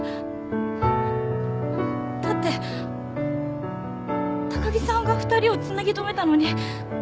だって高木さんが２人をつなぎ留めたのに。